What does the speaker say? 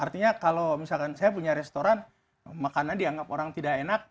artinya kalau misalkan saya punya restoran makanan dianggap orang tidak enak